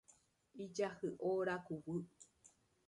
Ijahyʼo rakuvy.